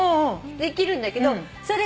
できるんだけど。